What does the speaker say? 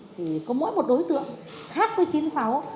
thì có mỗi một đối tượng khác với chín mươi sáu